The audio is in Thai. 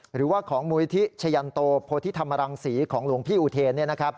หรือว่าของมูลิธิชยันโตโพธิธรรมรังศรีของหลวงพี่อุเทน